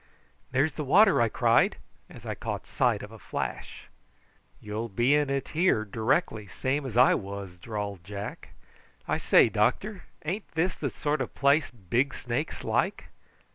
"There's the water," I cried, as I caught sight of a flash. "You'll be in it here directly, same as I was," drawled Jack. "I say, doctor, ain't this the sort of place big snakes like?"